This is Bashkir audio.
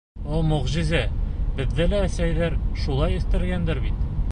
О мөғжизә, беҙҙе лә әсәйҙәр шулай үҫтергәндер бит!